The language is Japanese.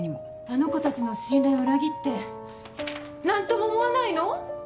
あの子たちの信頼を裏切って何とも思わないの？